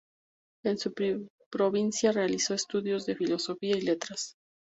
En su provincia realizó estudios de Filosofía y Letras.